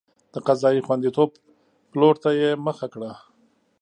د قضایي خوندیتوب پلور ته یې مخه کړه.